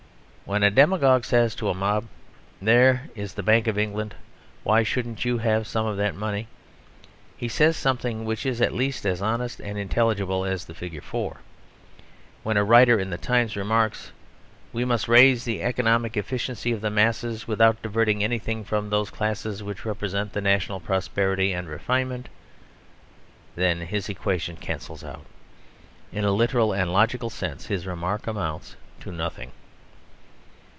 When a demagogue says to a mob, "There is the Bank of England, why shouldn't you have some of that money?" he says something which is at least as honest and intelligible as the figure 4. When a writer in the Times remarks, "We must raise the economic efficiency of the masses without diverting anything from those classes which represent the national prosperity and refinement," then his equation cancels out; in a literal and logical sense his remark amounts to nothing.